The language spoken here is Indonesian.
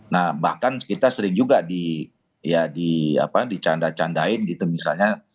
nah bahkan kita sering juga dicanda candain gitu misalnya